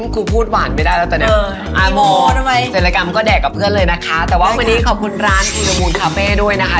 ครูพูดหวานไม่ได้แล้วตอนนี้เสร็จกรรมก็แดกกับเพื่อนเลยนะคะแต่ว่าวันนี้ขอบคุณร้านคุณระบูลคาเฟ่ด้วยนะคะ